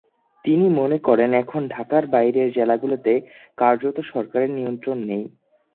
তিনি মনে করেন, এখন ঢাকার বাইরের জেলাগুলোতে কার্যত সরকারের নিয়ন্ত্রণ নেই।